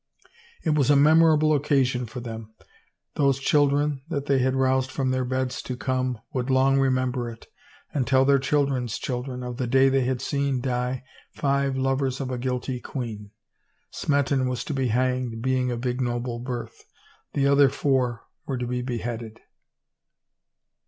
It was a memorable occasion for them. Those children, that they had roused from their beds to come, would long remember it and tell their children's children of the day they had seen die five lovers of a guilty queen. Smeton was to be hanged, being of ignoble birth. The other four were to be be headed.